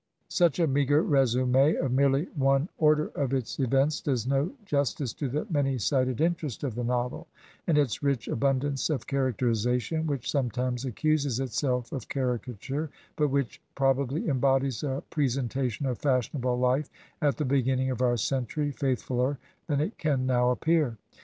. Such a meagre r6sum6 of merely one order of its events does no justice to the many sided interest of the novel, and its rich abimdance of characterization, which sometimes accuses itself of caricature, but which prob ably embodies a presentation of fashionable life at the beginning of our century faithfuller than it can now appear.